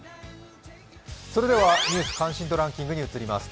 それでは「ニュース関心度ランキング」に移ります。